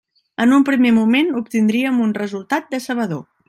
En un primer moment obtindríem un resultat decebedor.